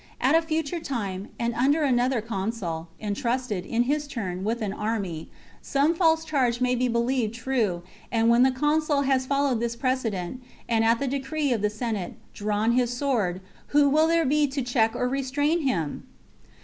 At a future time, and under another consul, entrusted, in his turn, with an army, some false charge may be believed true, and when the consul has followed this precedent, and, at the decree of the Senate, drawn his sword, who will there be to check or restrain him